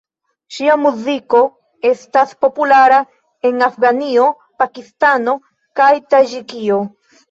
Ŝia muziko estas populara en Afganio, Pakistano kaj Taĝikio.